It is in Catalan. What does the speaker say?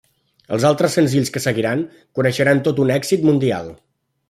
Els altres senzills que seguiran coneixeran tots un èxit mundial.